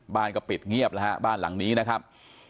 บ้านก็ปิดเงียบแล้วฮะบ้านหลังนี้นะครับ